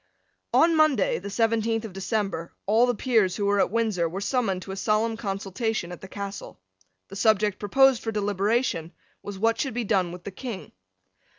On Monday, the seventeenth of December, all the Peers who were at Windsor were summoned to a solemn consultation at the Castle. The subject proposed for deliberation was what should be done with the King.